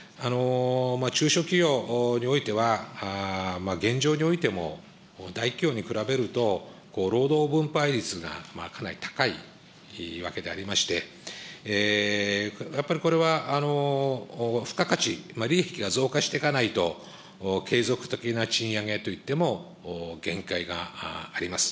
中小企業においては、現状においても大企業に比べると、労働分配率がかなり高いわけでありまして、やっぱりこれは、付加価値、利益が増加していかないと、継続的な賃上げといっても、限界があります。